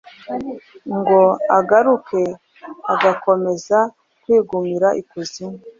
ngo agaruke agakomeza kwigumira ikuzimu